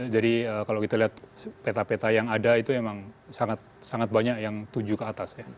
jadi kalau kita lihat peta peta yang ada itu memang sangat banyak yang tujuh ke atas ya